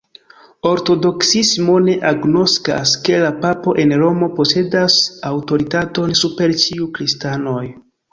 Ortodoksismo ne agnoskas, ke la papo en Romo posedas aŭtoritaton super ĉiuj Kristanoj.